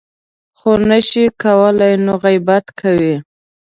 خو نه شي کولی نو غیبت کوي .